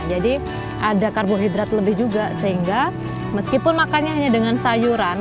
jadi ada karbohidrat lebih juga sehingga meskipun makannya hanya dengan sayuran